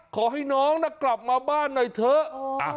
ขอให้น้องกลับมาบ้านหน่อยเถอะ